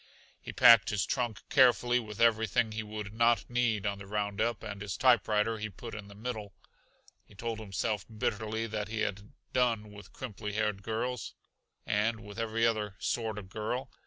He packed his trunk carefully with everything he would not need on the roundup, and his typewriter he put in the middle. He told himself bitterly that he had done with crimply haired girls, and with every other sort of girl.